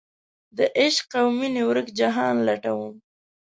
دعشق اومینې ورک جهان لټوم